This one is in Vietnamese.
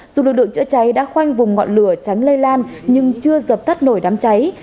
dù lực lượng chữa cháy đã khoanh vùng ngọn lửa tránh lây lan nhưng chưa dập tắt nổi đám cháy